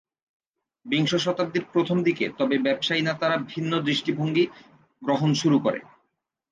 বিংশ শতাব্দীর প্রথম দিকে, তবে ব্যবসায়ী নেতারা ভিন্ন দৃষ্টিভঙ্গি গ্রহণ শুরু করে।